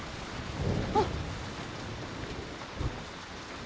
あっ。